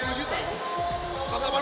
kalau kita di group stage we can